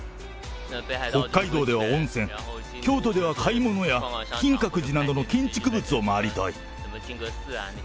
北海道では温泉、京都では買い物や、金閣寺などの建築物を回りたい。